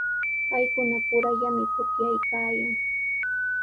Paykunapurallami pukllaykaayan.